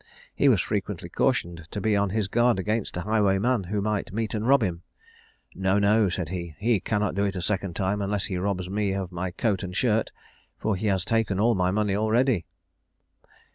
He was frequently cautioned to be on his guard against a highwayman, who might meet and rob him: "No, no," said he, "he cannot do it a second time, unless he robs me of my coat and shirt, for he has taken all my money already."